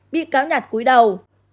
bị cáo nhạt cúi đầu